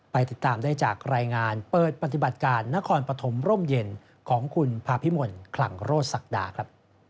ติดตามได้จากรายงานเปิดปฏิบัติการนครปฐมร่มเย็นของคุณภาพิมลคลังโรศศักดาครับ